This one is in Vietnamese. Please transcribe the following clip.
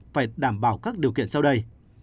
phải đảm bảo các điều kiện sau đây